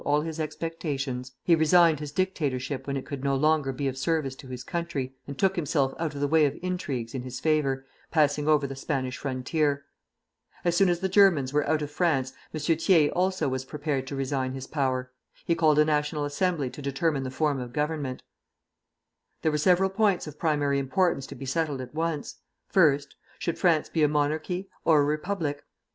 Without one word to trouble the flow of events that were taking a course contrary to all his expectations, he resigned his dictatorship when it could no longer be of service to his country, and took himself out of the way of intrigues in his favor, passing over the Spanish frontier. As soon as the Germans were out of France, M. Thiers also was prepared to resign his power. He called a National Assembly to determine the form of government. There were several points of primary importance to be settled at once; first: should France be a monarchy, or a republic?